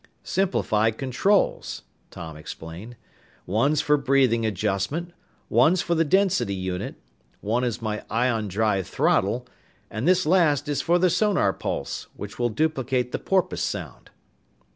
"Simplified controls," Tom explained. "One's for breathing adjustment, one's for the density unit, one is my ion drive 'throttle,' and this last is for the sonar pulse which will duplicate the porpoise sound."